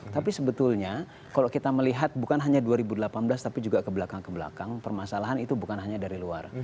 tapi sebetulnya kalau kita melihat bukan hanya dua ribu delapan belas tapi juga kebelakang ke belakang permasalahan itu bukan hanya dari luar